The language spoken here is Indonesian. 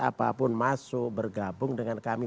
apapun masuk bergabung dengan kami